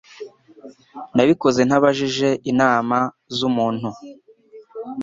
Nabikoze ntabajije inama z'umuntu.